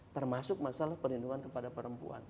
termasuk masalah perlindungan kepada perempuan